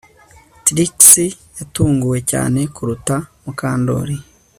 Trix yatunguwe cyane kuruta Mukandoli